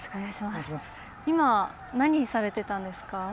今何されてたんですか？